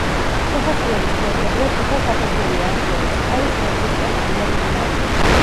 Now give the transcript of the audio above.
შესასვლელის გვერდებზე თითო სათოფურია, რომლებიც კარის ღერძისკენ არიან მიმართული.